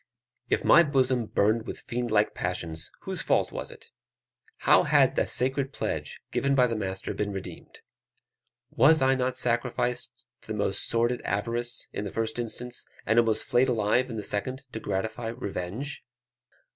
If my bosom burned with fiend like passions, whose fault was it? How had the sacred pledge, given by the master, been redeemed? Was I not sacrificed to the most sordid avarice, in the first instance, and almost flayed alive in the second, to gratify revenge?